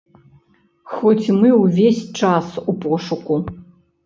Хоць мы ўвесь час у пошуку.